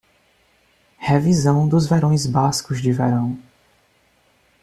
Revisão dos verões bascos de verão.